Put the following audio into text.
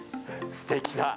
すてきな。